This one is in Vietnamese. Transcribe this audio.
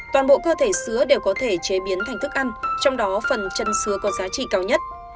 toàn bộ cơ thể sứa đều có thể chế biến thành thức ăn trong đó phần chân xứ có giá trị cao nhất